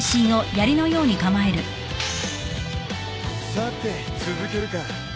さて続けるか。